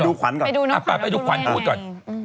ไปดูน้องขวัญพูดก่อนเอาล่ะไปดูขวัญพูดก่อน